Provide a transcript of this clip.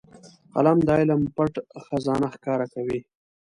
قلم د علم پټ خزانه ښکاره کوي